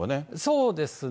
そうですね。